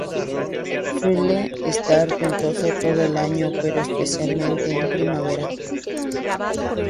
Suele estar ventoso todo el año, pero especialmente en primavera.